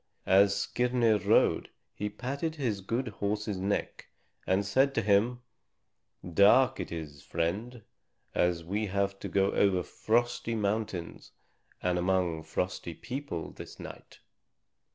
As Skirnir rode, he patted his good horse's neck and said to him, "Dark it is, friend, and we have to go over frosty mountains and among frosty people this night.